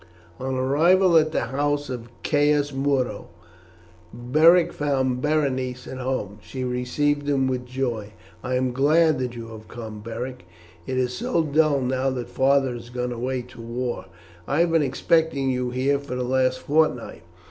On arrival at the house of Caius Muro, Beric found Berenice at home; she received him with joy. "I am glad that you have come, Beric; it is so dull now that father has gone away to the war. I have been expecting you here for the last fortnight.